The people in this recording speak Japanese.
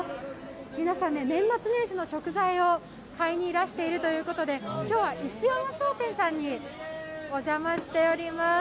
皆さん、年末年始の食材を買いにいらしているということで今日は石山商店さんにお邪魔しております。